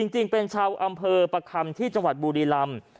จริงเป็นชาวอำเภอประคำที่จังหวัดบุรีรำ